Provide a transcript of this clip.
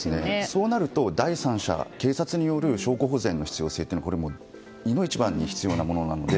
そうなると、第三者警察による証拠保全の必要性がいの一番に必要なものなので。